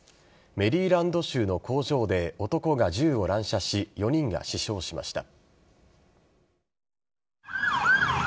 メリーランド州の工場で男が銃を乱射し４人が死傷しました。